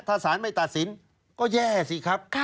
ถ้าสารไม่ตัดสินก็แย่สิครับ